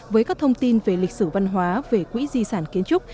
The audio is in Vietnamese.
với các thông tin về lịch sử văn hóa về quỹ di sản kiến trúc